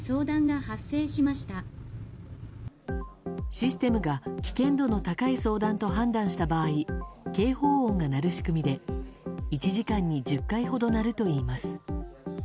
システムが危険度の高い相談と判断した場合警報音が鳴る仕組みで１時間に１０回ほど鳴るといいます。